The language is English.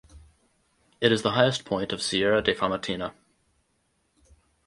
It is the highest point of Sierra de Famatina.